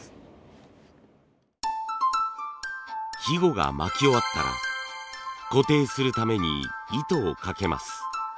ひごが巻き終わったら固定するために糸をかけます。